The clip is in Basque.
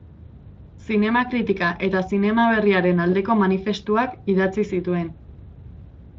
Zinema-kritikak eta zinema berriaren aldeko manifestuak idatzi zituen.